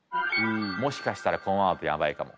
もしかしたらこのままだとやばいかも。